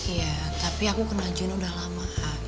iya tapi aku kena jinu udah lama